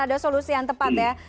ada solusi yang tepat ya